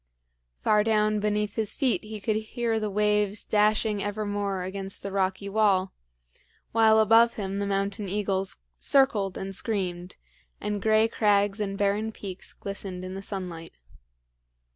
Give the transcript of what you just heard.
Far down beneath his feet he could hear the waves dashing evermore against the rocky wall, while above him the mountain eagles circled and screamed, and gray crags and barren peaks glistened in the sunlight.